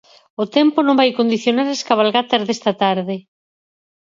O tempo non vai condicionar as cabalgatas desta tarde.